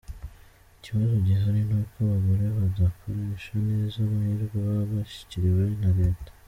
Ikibazo gihari ni uko abagore badakoresha neza amahirwe baba bashyiriweho na leta.